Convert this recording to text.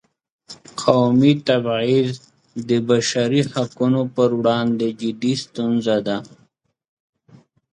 قومي تبعیض د بشري حقونو پر وړاندې جدي ستونزه ده.